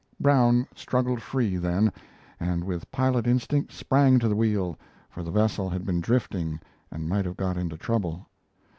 Brown struggled free, then, and with pilot instinct sprang to the wheel, for the vessel had been drifting and might have got into trouble.